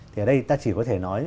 thì ở đây ta chỉ có thể nói